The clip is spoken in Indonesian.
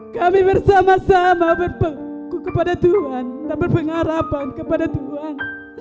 kami bersama sama berpengarapan kepada tuhan